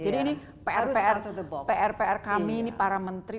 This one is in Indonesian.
jadi ini pr pr kami para menteri